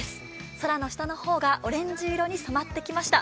空の下の方がオレンジに染まってきました。